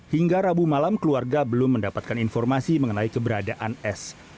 hingga rabu malam keluarga belum mendapatkan informasi mengenai keberadaan s